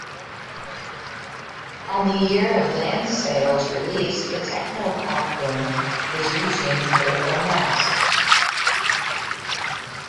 On the year of "Landsale"'s release, the technopop boom was reaching critical mass.